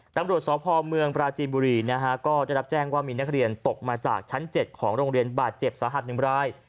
ตำรวจสภอมมปรารจิบุรีก็ได้รับแจ้งว่ามีนักเรียนตกมาจากชั้น๗ฯของโรงเรียนบาดเจ็บศาหรัฐนึงบร้าย